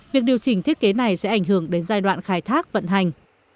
việc điều chỉnh thiết kế này sẽ ảnh hưởng đến giai đoạn khai thác vận hành